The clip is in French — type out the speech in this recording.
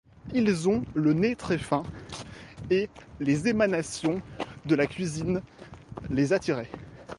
Ils ont le nez très fin, et les émanations de la cuisine les attiraient.